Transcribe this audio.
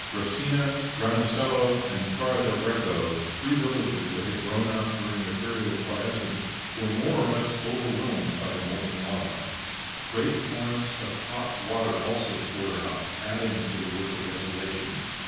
Resina, Granasello and Torre del Greco, three villages that had grown up during the period of quiescence, were more or less overwhelmed by the molten lava. Great torrents of hot water also poured out, adding to the work of desolation.